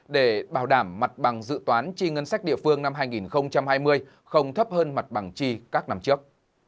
để bảo đảm mặt bằng dự toán chi ngân sách địa phương năm hai nghìn hai mươi không thấp hơn mặt bằng chi các năm trước